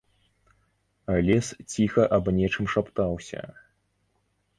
Лес ціха аб нечым шаптаўся.